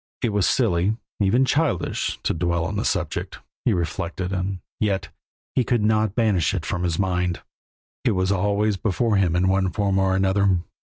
It was silly, even childish, to dwell on the subject, he reflected, and yet he could not banish it from his mind. It was always before him, in one form or another.